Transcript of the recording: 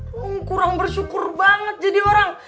hmm kurang bersyukur banget jadi orang